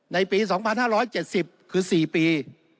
ในปี๒๕๗๐คือ๔ปี